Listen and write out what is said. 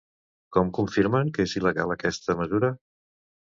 Com confirmen que és il·legal aquesta mesura?